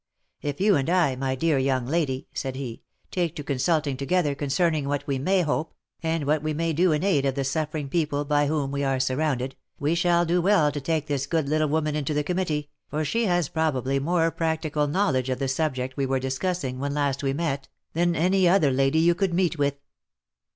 " If you and I, my dear young lady," said he, " take to consulting^ together concerning what we may hope, and what we may do in aid of the suffering people by whom we are surrounded, we shall do well to OF MICHAEL ARMSTRONG. 231 take this good little woman into the committee, for she has probably more practical knowledge of the subject we were discussing when last we met, than any other lady you could meet with."